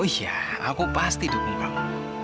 oh iya aku pasti dukung kamu